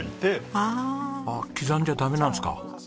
ああ刻んじゃダメなんすか？